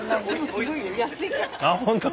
ホント？